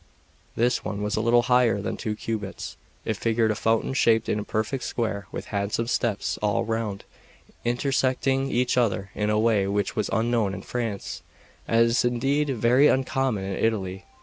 This one was a little higher than two cubits; it figured a fountain shaped in a perfect square, with handsome steps all round, intersecting each other in a way which was unknown in France, and is indeed very uncommon in Italy.